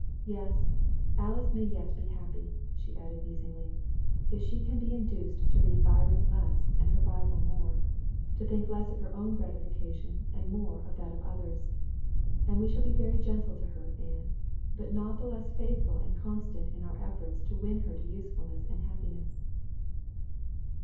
Yes, Alice may yet be happy," she added musingly, "if she can be induced to read Byron less, and her Bible more; to think less of her own gratification, and more of that of others. And we will be very gentle to her, Ann; but not the less faithful and constant in our efforts to win her to usefulness and happiness."